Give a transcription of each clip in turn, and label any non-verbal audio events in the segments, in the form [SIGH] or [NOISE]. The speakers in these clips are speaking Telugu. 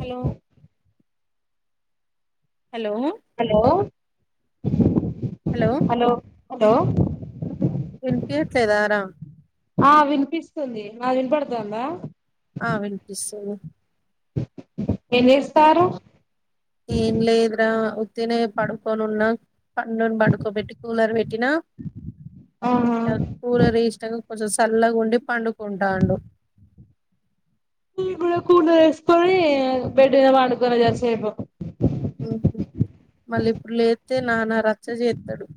hello hello hello hello hello ఇనిపిఎట్లేదా రా ఆ వినిపిస్తుంది నా వినపడ్తాంద ఆ వినిపిస్తుంది ఏం చేస్తారు ఇన్లేదరా ఉత్తిన పడుకోనున్న పండుని పడుకోబెట్టి కూలర్ పెట్టినా ఆహా కూలర్ వేష్ట కొంచెం చల్లగాండి పండుకుంటాడు [UNINTELLIGIBLE] ఉ మళ్ళీ ఇప్పుడు లేస్తే నాన రచ్చ చేస్తాడు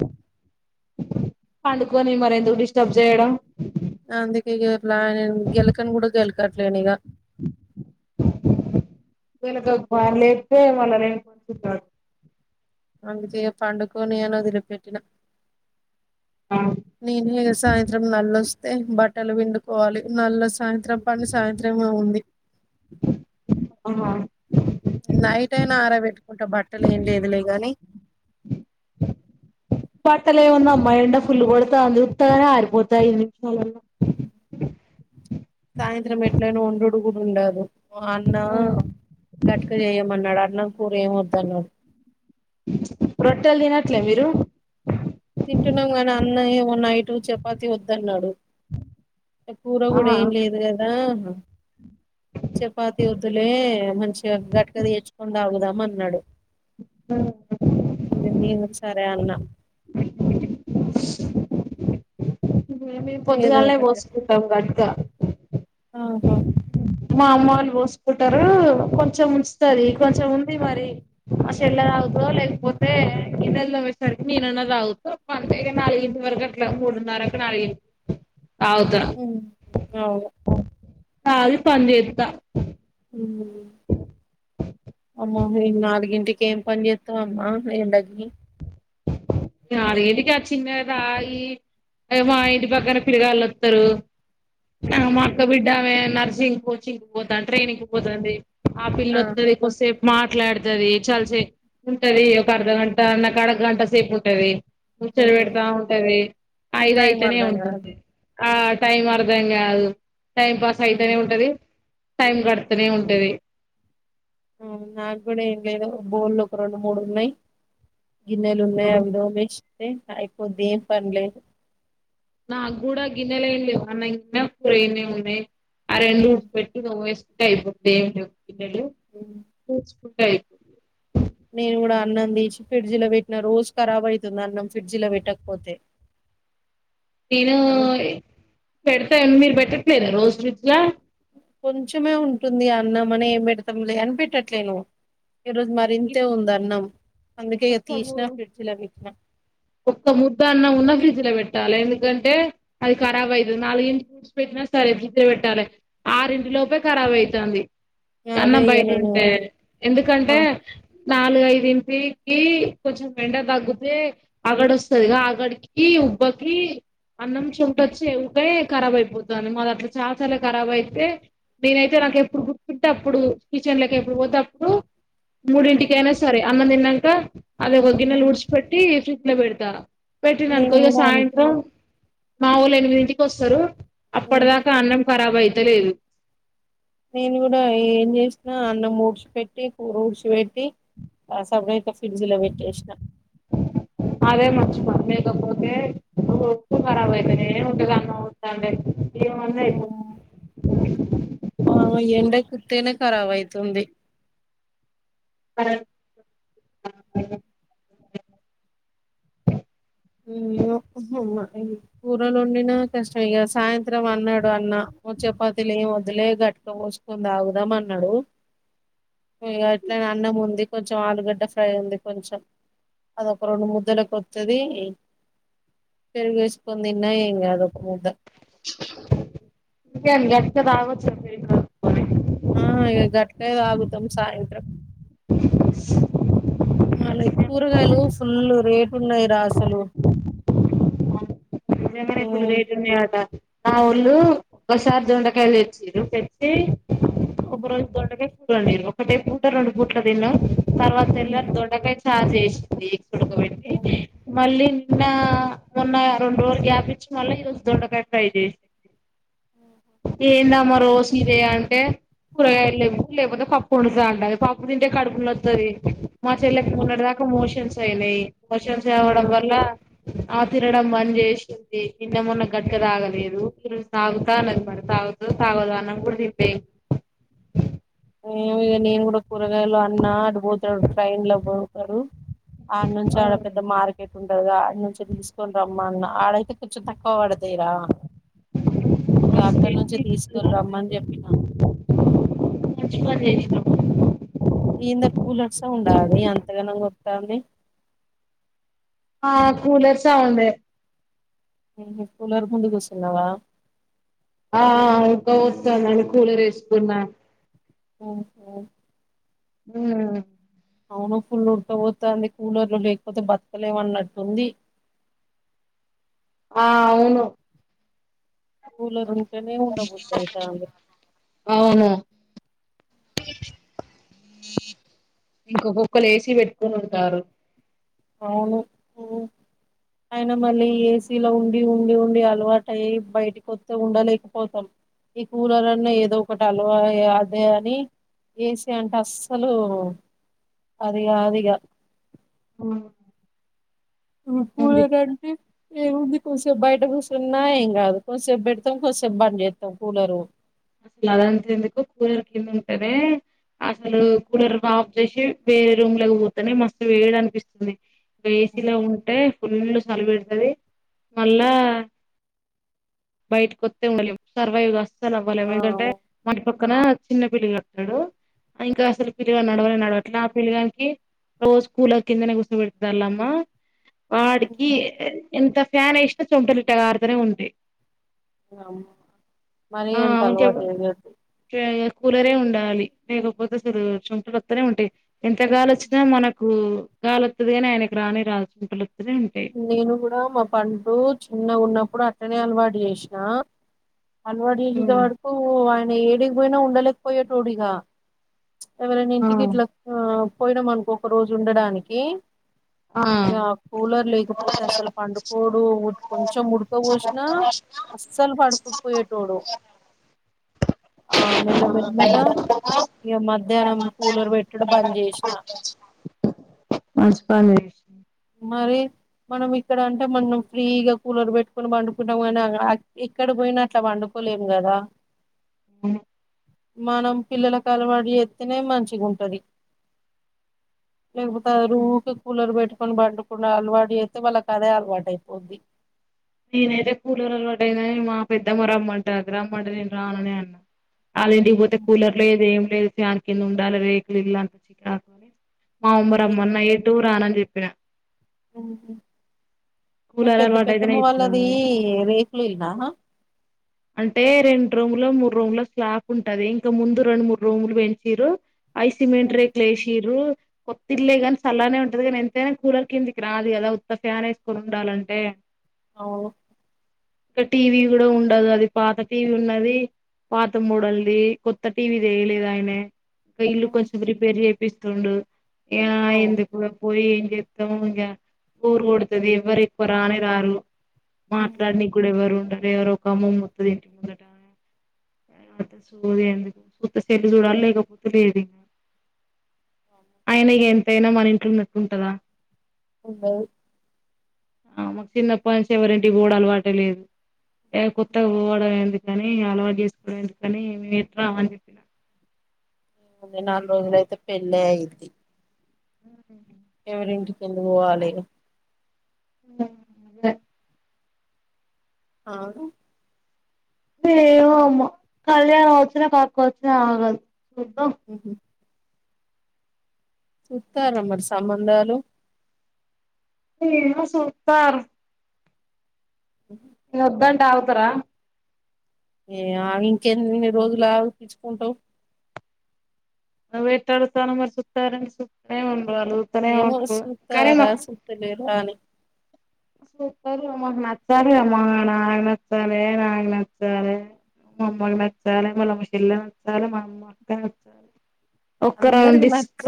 పండుకొని మరి ఎందుకు డిస్టర్బ్ చేయడం ఇక పలా గెలకని కూడా గెలకట్లేని ఇక కనుక బని లేస్తతే వాళ్ళ ర కొ అందుకే పండుగనియను వదిలి పెట్టిన నేను ఇక సాయంత్రం మల్లొస్తే బట్టలు వండుకోవాలి మల్లొస్త సాయంత్రం పని సాయంత్రమే ఉంది ఆహ నైట్ అయినా ఆరబెట్టుకుంటా బట్టలు ఏం లేదులే గాని బట్టలే ఏమన్నా అమ్మా ఎండా ఫుల్లు కొడతాంది ఉత్తగానే ఆరిపోతాయివి అ సాయంత్రం ఎట్లైనా [UNINTELLIGIBLE] కూడా ఉండదు అన్న గట్క చేయమన్నాడు అన్నం కూర ఏమి వద్ద అన్నాడు రొట్టల్ తనట్లే మీరు తింటున్నాం గాని అన్న ఏమో నైట్ చపాతి వద్దన్నాడు కూర కూడా ఆహా ఏం లేదు కదా చపాతి వద్దులే మంచిగా గటుక తెచ్చుకుందాం రమ్మన్నాడు నేను సరే అన్న మేము ఏదో పొద్దుగాళ్నే ఒకటి పోసుకుంటాం గట్గా ఆహా మా అమ్మ వాళ్ళు పోసుకుంటారు కొంచెం ఉంచుతది కొంచెం ఉంది మరి అస ఎలా లేకపోతే ఇ నెల నమ్మేసరికి నేనన్నా తాగుతా నాలుగింటి వరకు అట్లా మూడు న్నరకు నాల హుమ్ అవును తాగి పని చెత్తా ఉమ్ అమ్మ నాలుగింటికి ఏం పని చేత్తవమ్మా ఎండకి అ ఇంటికి చిన్నగ తాగి మా ఇంటి పక్కన పిల్లగాళ్ళు వత్తరు మా అక్క బిడ్డమే నర్సింగ్ కోచింగ్ పోతాను ట్రైనింగ్ పోతుంది ఆపిల్ల ఆహా వస్తె కొంతసేపు మారు మాట్లాడుతుది చాలా సేపు ఉంటది ఒక అర్ధగంట నాకు అరధగంట సేపు ఉంటది ముచ్చట్లు పెడతా ఉంటది ఐద టైం అయితేనే అర్థం ఉంటుంది కాదు ఆ టైం అర్థంగాదు టైం పాస్ అయితేనే ఉంటది టైం కడుతూనే ఉంటది నాకు కూడా ఏం లేదు బోల్లు ఒక రెండు మూడు ఉన్నాయి గిన్నెలు ఉన్నాయి అవిదోమ ఎస్తే అయిపోద్ది ఏం పనిలేదు నా గూడా గిన్నెల ఏం లేవు [UNINTELLIGIBLE] పూరనే ఉ ఆ రెండు పెట్టి వేసుకుంటే అయిపొద్ది ఏం లేవు గిన్నెలు [UNINTELLIGIBLE] నేను కూడా అన్నం తీసి ఫ్రిడ్జి లో పెట్టిన రోజు ఖరాబ్ అవుతుంది అన్నం ఫ్రిడ్జి లో పెట్టకపోతే నేను అని పెడతా మీరు పెట్టట్లేదు రోజు ప్రిజ్ ల కొంచమే ఉంటుంది అన్నం అని ఏం పెడతాం లే అని పెట్టట్లేను ఈ రోజు మరి ఇంతే ఉంది అన్నం అందుకే ఇగ తీసిన ఎకోలేదు ఫ్రిడ్జ్ లో పెట్టిన ఒక్క ముద్ద అన్నం ఉన్న ప్రిజ్ లో పెట్ట పెట్టాలి ఎందుకంటే అది ఖర్బ్ అయితది నాలుగింటి వూడిసిపెట్టిన సరే ఫ్రిడ్జ్ లో పెట్టాలే ఆరు లోపే ఖరాబ్ అయితంది ఈ అదే అన్నం ఇగ బయట నేను ఉంటే ఎందుకంటే మా నాలుగుఐదు ఇంటి కి కొంచెం మెంట తగ్గితే ఆగడ్ వస్తాదిగా ఆగడికి, ఉబ్బకి అన్నం చమట వచ్చి ఉకే కరాబ్ అయిపోతాది మాది అట్లా చాలా సార్లు కరాబ్ అయితే నేనైతే నాకు ఎప్పుడు గుర్తుంటేప్పుడు కిచెన్ లకి ఎప్పుడు పోతే అప్పుడు మూడింటికి అయినా సరే అన్నం తిన్నాక అది ఒక గిన్నెలు ఉడ్చిపెట్టి ఫ్రిడ్జ్ లో పెడతా నేను పెట్టిననుకో ఇగా కూడా అంతే సాయంత్రం మా వాళ్లు ఎనిమిదింటికి వస్తారు అప్పటిదాకా అన్నం ఖరాబ్ అయితే లేదు నేను కూడా ఏం చేసిన అన్నం ఊడ్చిపెట్టి కూర ఊడ్చిపెట్టి ఆ సడతే ప్రిజ్ లో పెట్సిన అదే మర్చిపోను లేకపోతే [UNINTELLIGIBLE] కార్బ్ అయిత నే ఉంటాది ఉత్తగానే ఓ ఆ ఎండకు ఉత్తగానే కరాబ్ అయితుంది [UNINTELLIGIBLE] కూరలాడిన కష్టం ఇగా సాయంత్రం అన్నాడు అన్న చపాతలు ఏం వదులే గట్టుక పోసుకొని తాగుదాం అన్నాడు ఇగా అట్లానే అన్నం ఉంది కొంచెం ఆలుగడ్డ ఫ్రై ఉంది కొంచెం అదొక రెండు ముద్దలకొత్తది పెరుగు వేసుకుందిన్న ఏమ్ గాదు [UNINTELLIGIBLE] ఆ ఇ గట్లనే తాగుతం సాయంత్రం [INAUDIBLE] మళ్ళ కూరగాయలు ఫుల్ రేటు ఉన్నాయి రా అసలు నిజంగానే ఫుల్ ఉమ్ రేట్ ఉన్నాయట మా ఒళ్ళు ఒకసారి దొండకాయలు తెచ్చిరు తెతే ఒక ఉమ్ రోజు దొండకాయ్ కూరరాడిళ్ళు ఒకటే పూట రెండు పూట్ల తిన్నాం తర్వాత తెల్లరి దొండకాయ చారు చేసింది ఇప్పుడు [UNINTELLIGIBLE] మళ్ళీ నిన్న మొన్న రెండు రోజులు గ్యాప్ ఇచ్చి మళ్ళీ ఈ రోజు దొండకాయ ఫ్రై చేసింది ఏందామా రోజ ఇదే అంటే కూరగాయ లేవు లేకపోతే పప్పు ఆడుతా అంటది పప్పు తింటే కడుపునోతది మా చెల్లెకి మొన్నటి దాకా మోషన్స్ అయినాయి మోషన్స్ కావడం ఉమ్ వల్ల ఆమె తినడం బంజే సింది నిన్న మొన్న గట్గ తాగలేదు సాగుతా అన్నది మరి తాగుత తాగదు అన్నం కూడా తిన్ ఏమో ఇగ నేను కూడా కూరగాయలు అన్న అటు పోతాడు ట్రైన్ లో పోతాడు ఆడ నుంచి ఆడ పెద్ద మార్కెట్ కుంటది గా ఆడ నుంచి తీసుకొని రమ్మన్న ఆడైతే కొంచెం తక్కువ పడతయిరా ఇక అక్కడి నుంచి తీసుకొని రమ్మని చెప్పిన మంచి పని చేసినావ్ ఎందే కూలర్ సౌండ్ ఆ ఆది అంతగానం వత్తాంది ఆ కూలర్ సౌండే ఎందుకే కూలరు ముందుకుసున్నావా ఆ ఆ ఉడుకపోతాది అని కూలర్ ఏసుకున్న ఓహొ హ అవును ఫుల్ ఉడకబతుంది కూలర్లు లేకపోతే బతకలేమన్నట్టుంది ఆ అవును కూలర్ ఉంటేనే ఉండబుద్ధి అయిటంది అవును ఇంక్కొక్కరు ఏసీ పెట్టుకుని ఉంటారు అవును ఆయన మళ్ళీ ఏసీలో ఉండి ఉండి ఉండి అలవాటు అయ్య బయటికి వస్తే ఉండలేకపోతాం ఈ కూలర్ అన ఏదో ఒకటిలో అదే అని ఏసీ అంటే అస్సలు అదిగాదిగా ఆ కూలర్ అంటే ఏ ఉంది కొదిసేపు బయట కూసున్న ఏం కాదు కొదిసేపు పెడతాం కోసేపు బం చేస్తాం కూలరు అసలు అదంత ఎందుకు కూలర్ కింద ఉంటద అసలు కూలర్ ఆఫ్ చేసి వేరే రూమ్ లోకి పోతేనే మస్తు వేడీ అనిపిస్తుంది ఏసీ లో ఉంటే ఫుల్ సలి పెడుతుది మళ్ళా బయటకి వత్తే ఉండాలాం సర్వైవ్ అస్సలు అవ్వలేం ఆ ఎందుకంటే మన పక్క ఒకన చిన్న పిలగాడు ఉంట్టాడు ఇంకా అసలు పిలిగాని నడవని నడవట్లే ఆ పిలిగానికి రోజు కూలర్ కిందనే కుసబడతారలమ్మా వాడికి ఎంత ఫ్యాన్ వేసినా చెమటలు గారుతనే ఉంటే అ మరి అంత అలవాటు ఆ చేయొద్దు ఉండాలి లేకపోతే అసలు చెమటలు వత్తిని ఉంటాయి ఎంత వచ్చిన మన వత్తిది అని ఆయనకు రాని రాదు చెమటలు నేను కూడా మా పండు చిన్నగా ఉన్నప్పుడు అట్టనే అలవాటు చేసినా అలవాటు చేసిన వరకు ఆయన ఏడిగిపోయినా ఉండలేకపోయటోడిగా ఎవరైనా ఇంటికి ఇట్ల పోయినం అనుకో ఒక రోజు ఉండడానికి ఆ ఇక కూలర్ లేకపోతే అసలు పండుకోడు కొంచెం ఉడకపో నా అసలు పడుకోకపోయితోడు ఆ మేళ ఇక మధ్యాహ్నం కూలర్ పెట్టుడు బంద్ చేసిన మంచి పని చేసినవు మరి మనం ఇక్కడ అంటే మనం ఫ్రీగా కూలర్ పెట్టుకొని పండుకుంటాం కాని ఇక్కడ పోయినట్లా పండుకోలేం కదా అ మనం పిల్లలకు అలవాటు చేస్తనే మంచిగాంటది లేకపోతే ఊరికే కూలర్ పెట్టుకో కని పండుకుండా అలవాటు చేస్తే వాళ్ళకి అదే అలవాటు అయిపోది నేనైతే కూలర్ అలవాటు అయిన మా పెద్దమ్మ రమ్మంటాది రమ్మంటే నేను రానని అన్నా వాళ్ళ ఇంటికి పోతే కూలర్ లేదు ఏం లేదు ఫ్యాన్ కింద ఉండాలి రేకులు ఇల్లు అంత చికరాకని మా అమ్మమ్మ రామన్న ఎటూ రానని చెప్పిన అ మీ కూలర్ పెద్ద అలవాటు పెద్దమ్మ అయితేనే వాళ్ళది ఇట్లున్నది రేకులు ఇళ్ల అంటే రెండు రూముల మూడు రూముల స్లాప్ ఉంటది ఇంకా ముందు రెండు మూడు రూములు పెంచరు అయి సిమెంట్ అవును రేకులు ఎస్సీరూ కొత్త ఇల్లు కానీ సళ్ళగనే ఉంటుది కానీ ఎంతనా కూలర్ కిందికిరాదూ కదా ఉత్త ఫ్యాన్స్త ఉండాలంటే అవును ఇంకా టీవీ కూడా ఉండదు అది పాత టీవీ ఉన్నది పాత మూడల్ది కొత్త టీవీ తెయలేదు ఆయన ఇకా ఇల్లు కొంచెం రిపేర్ చేపిస్తుండు ఎందుకు పోయి ఎతము ఇ ఊరు కొతుది ఎవరు ఎకువ రాణ రాారు మాట్లాడిని కూడా ఎవరు ఉండరు ఎవరు ఒక అమ్మ ముత్తది ఇంటి ముందట ఏ అ సూది ఎందుకు సూత చెల్ చూడాల లేకపోతులేద ఆయన ఎంతైనా మాన ఇంంటిలో నట్టుంటందా అవు ఆ మా కి చిన్నప్ప నుస్ ఎవరంటి గోడలు వాటలేదు ఎకొత్తగా పోవడం ఎందుకని అలవాటు చేసుకోవడం ఎందుకని మేముమిత్త అని నాలుగు రోజులయితే పెళ్ళి అయిది ఉ ఎందుకు పోవాలి ఉ అద అవు ఏమమ్ కళ్యాణం వచ్చినా పక్క వచ్చినా ఆగదు చూద్దాం ఉహ చుతార మరి సబంధాలు ఏ సూతారు నువద్దంటె అవుతార ఏ ఆ ఇంకెన్నిన్ని రోజులా పిచ్చుకుంటావు ఎట్ తడు స్థాన మ సతార వ శు అడుగుత నె ఏమో వుంటారుక చూస్తారా రీమా చూస్తలేరా అని ారు అమ్మక్ నచ్చాలి మ నాయనక్ నచ్చాలే నా క్ నచ్చాలే మా అమ్మకి నచ్చాలి మళ్ళమ చెల్ల నచ్చాలి మా అమ్మ అక్క నచ్చాలి ఒక్కర అందరికి నచ్చ డిస్క్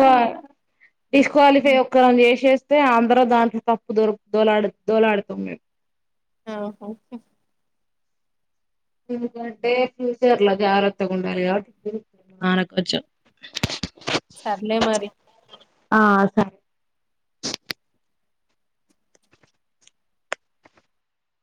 డిస్క్వాలిఫై ఒక్కర చేసే అతే అంద్ర దాంట్ తప్పు దొక దోలాడు దోలాడుతాం మే ఆహా స్ టు కంటె ఫ్యూచర్లో జాగ్రత్త ఉండాలిఆన కొచ్చం సర్లే మరి ఆ స అస